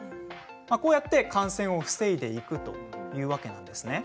こうやって感染を防いでいくというわけなんです。